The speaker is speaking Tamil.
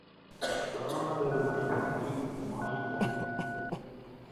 அழகானதொரு நாய்க்குட்டி அந்த நாயின் அருகில் கிடந்தது.